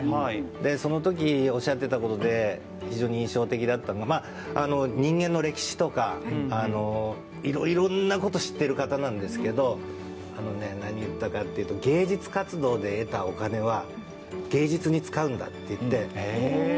その時おっしゃってたことで非常に印象的だったのは人間の歴史とかいろいろなことを知っている方なんですが芸術活動で得たお金は芸術に使うんだって言って。